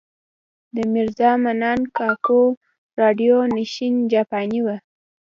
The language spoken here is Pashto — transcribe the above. د میرزا منان کاکو راډیو نېشن جاپانۍ وه.